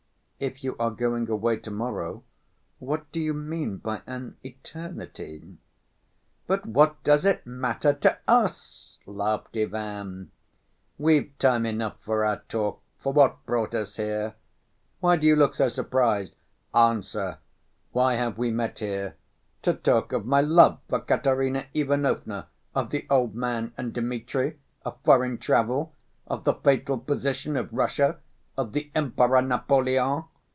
"If you are going away to‐morrow, what do you mean by an eternity?" "But what does it matter to us?" laughed Ivan. "We've time enough for our talk, for what brought us here. Why do you look so surprised? Answer: why have we met here? To talk of my love for Katerina Ivanovna, of the old man and Dmitri? of foreign travel? of the fatal position of Russia? Of the Emperor Napoleon?